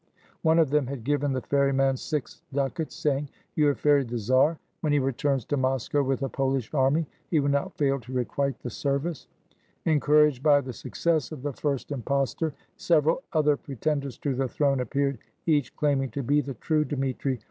One of them had given the ferryman six ducats, saying: "You have ferried the czar: when he returns to Moscow with a Polish army, he will not fail to requite the service." Encouraged by the success of the first impostor, several other pretenders to the throne appeared, each claiming to be the true Dmitri.